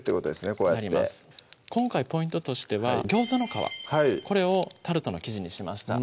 こうやって今回ポイントとしては餃子の皮これをタルトの生地にしました